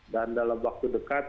dan dalam waktu dekat